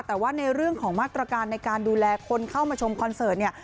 แต่ว่าในเรื่องของมาตรการในการดูแลคนเข้ามาชมคอนเสิร์ตเนี่ย